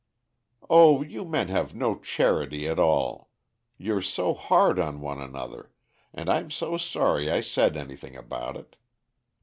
"O you men have no charity at all. You're so hard on one another, and I'm so sorry I said anything about it.